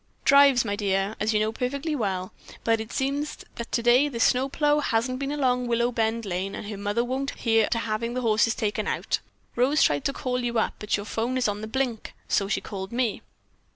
"Drives, my dear, as you know perfectly well, but it seems that today the snow plough hasn't been along Willowbend Lane, and her mother won't hear to having the horses taken out. Rose tried to call you up, but your 'phone is on the blink, so she called me."